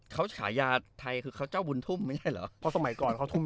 เขาจะขายาธรรมไทยแต่ขาวเจ้าหนึ่งถุ่ม